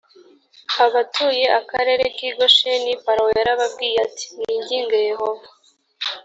abatuye akarere k’ i gosheni farawo yarababwiye ati “mwinginge yehova”